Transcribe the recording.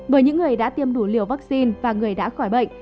bởi những người đã tiêm đủ liều vaccine và người đã khỏi bệnh